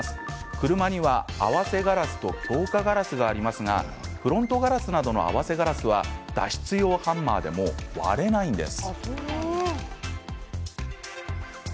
車には、合わせガラスと強化ガラスがありますがフロントガラスなどの合わせガラスは脱出用ハンマーでも割れないんです。